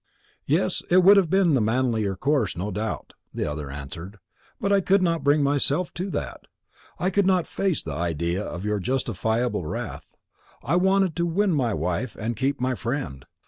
"Yes, it would have been the manlier course, no doubt," the other answered; "but I could not bring myself to that. I could not face the idea of your justifiable wrath. I wanted to win my wife and keep my friend.